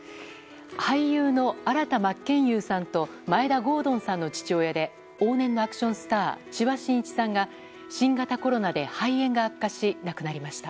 俳優の新田真剣佑さんと眞栄田郷敦さんの父親で往年のアクションスター千葉真一さんが新型コロナで肺炎が悪化し亡くなりました。